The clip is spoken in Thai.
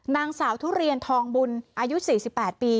นางสาวทุเรียนทองบุญอายุ๔๘ปี